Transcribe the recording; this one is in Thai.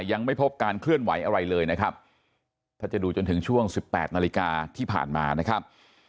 ยังไม่พบการเคลื่อนไหวอะไรเลยนะครับถ้าจะดูจนถึงช่วงสิบแปดนาฬิกาที่ผ่านมานะครับ